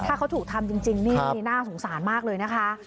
ถ้าเขาถูกทำจริงนี่น่าสงสารมากเลยนะคะ